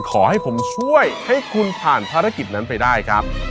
ขอให้ผมช่วยให้คุณผ่านภารกิจนั้นไปได้ครับ